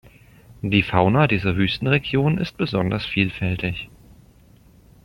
Die Fauna dieser Wüstenregion ist besonders vielfältig.